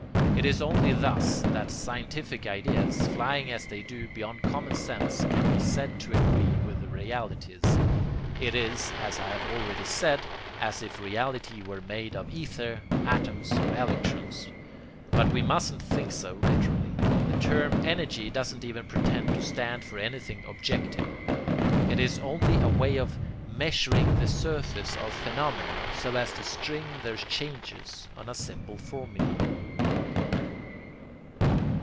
It is only thus that 'scientific' ideas, flying as they do beyond common sense, can be said to agree with their realities. It is, as I have already said, as if reality were made of ether, atoms or electrons, but we mustn't think so literally. The term 'energy' doesn't even pretend to stand for anything 'objective.' It is only a way of measuring the surface of phenomena so as to string their changes on a simple formula.